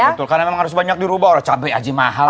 betul karena memang harus banyak diubah oleh cabai haji mahal